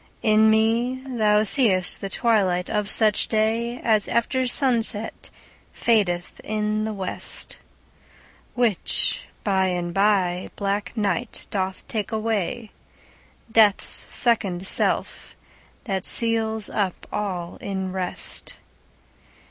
In me thou see'st the twilight of such day As after sunset fadeth in the west; Which by and by black night doth take away, Death's second self, that seals up all in rest.